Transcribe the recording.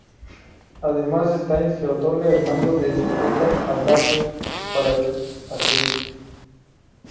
Además Stannis le otorga el mando de su flota a Davos para el asedio.